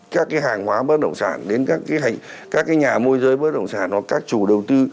các cái hàng hóa bất động sản đến các cái nhà môi giới bất động sản hoặc các chủ đầu tư